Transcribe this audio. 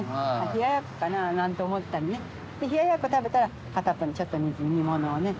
冷ややっこかなぁなんて思ったりねで冷ややっこ食べたら片っぽにちょっと煮物をね